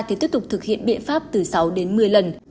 thì tiếp tục thực hiện biện pháp từ sáu đến một mươi lần